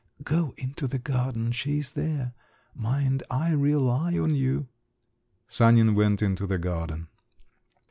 "Go into the garden; she is there. Mind, I rely on you!" Sanin went into the garden.